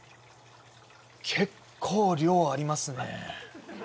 結構量ありますね。